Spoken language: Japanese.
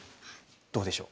どうでしょう？